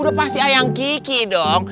udah pasti ayang kiki dong